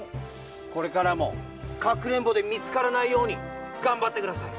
これからもかくれんぼでみつからないようにがんばってください！